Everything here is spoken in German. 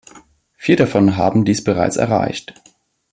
Vier davon haben dies bereits erreicht.